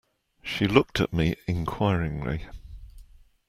She looked at me inquiringly.